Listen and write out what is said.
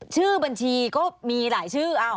ชื่อบัญชีก็มีหลายชื่อ